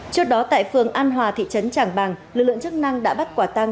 trước đó tại phường an hòa thị trấn trảng bàng lực lượng chức năng đã bắt quả tăng